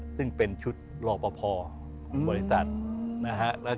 ซึ่งเป็นชุดรอโปภาวิทยาลัยเวรบริษัท